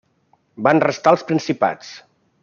Van restar als principats.